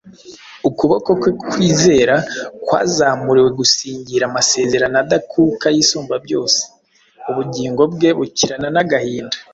Ukuboko kwe kwizera kwazamuriwe gusingira amasezerano adakuka y’Isumbabyose. Ubugingo bwe bukirana n’agahinda.